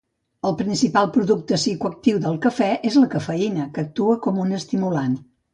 El principal producte psicoactiu del cafè és la cafeïna, que actua com un estimulant.